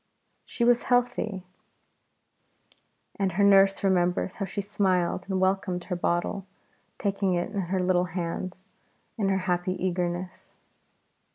She was a healthy baby, and her nurse remembers how she smiled and welcomed her bottle, taking it in her little hands in her happy eagerness.